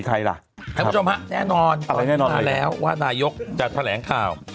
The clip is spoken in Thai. ให้ผู้ชมฮะแน่นอนมาว่านายกจะแถลงข่าว